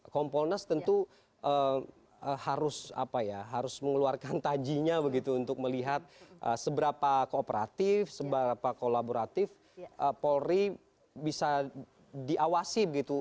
kompolnas tentu harus mengeluarkan tajinya begitu untuk melihat seberapa kooperatif seberapa kolaboratif polri bisa diawasi begitu